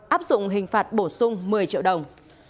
áp dụng hình phạt bổ sung một mươi triệu đồng